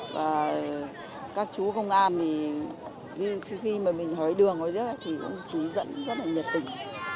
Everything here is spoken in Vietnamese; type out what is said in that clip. và các chú công an thì khi mà mình hỡi đường hồi trước thì cũng chỉ dẫn rất là nhiệt tình